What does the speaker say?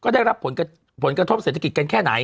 ได้รับผลกระทบเศรษฐกิจกันแค่ไหน